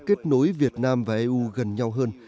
kết nối việt nam và eu gần nhau hơn